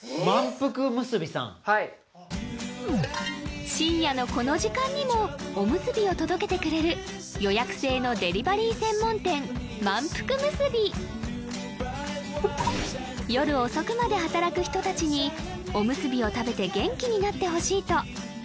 まんぷくむすびさんはい深夜のこの時間にもおむすびを届けてくれる予約制のデリバリー専門店まんぷくむすび夜遅くまで働く人達におむすびを食べて元気になってほしいと